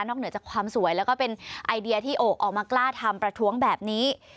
เหนือจากความสวยแล้วก็เป็นไอเดียที่โอกออกมากล้าทำประท้วงแบบนี้